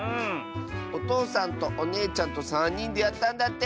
おとうさんとおねえちゃんとさんにんでやったんだって！